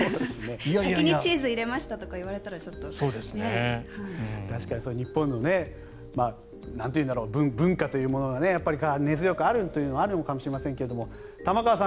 先にチーズ入れましたとか言われたらそれは。日本のなんというんだろう文化というものが根強くあるというのはあるのかもしれませんが玉川さん